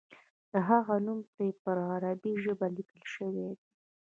د هغه نوم پرې په عربي ژبه لیکل شوی دی.